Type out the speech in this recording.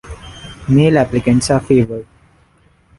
Male applicants are favored.